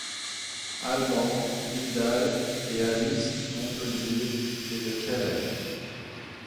Albans, Guidhall, et à l'East Montpellier et de Calais.